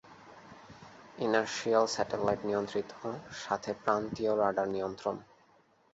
Inertial satellite নিয়ন্ত্রিত, সাথে প্রান্তীয় radar নিয়ন্ত্রণ।